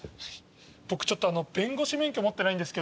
僕ちょっと弁護士免許持ってないんですけど。